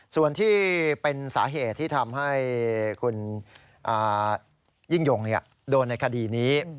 ส่วนที่เป็นสาเหตุที่ทำให้คุณยิ่งยงโดนในคดีนี้